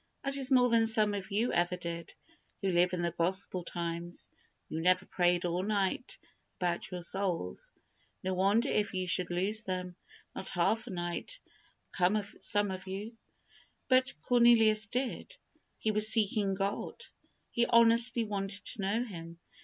That is more than some of you ever did, who live in the Gospel times. You never prayed all night about your souls. No wonder if you should lose them not half a night, some of you. But Cornelius did he was seeking God. He honestly wanted to know Him.